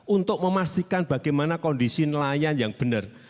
untuk memastikan bagaimana kondisi nelayan yang benar